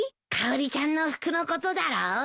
かおりちゃんの服のことだろ？